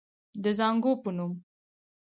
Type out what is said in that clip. د زانګو پۀ نوم